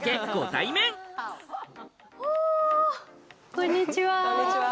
こんにちは。